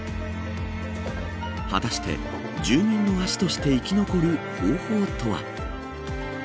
果たして住民の足として生き残る方法とは。